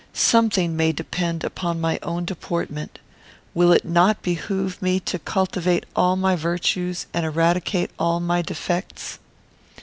Something may depend upon my own deportment. Will it not behoove me to cultivate all my virtues and eradicate all my defects?